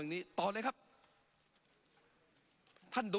ปรับไปเท่าไหร่ทราบไหมครับ